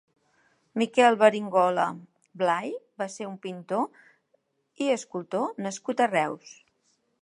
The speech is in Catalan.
Miquel Beringola Blay va ser un pintor i escultor nascut a Reus.